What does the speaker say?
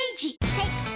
はい。